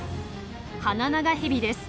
ハナナガヘビです。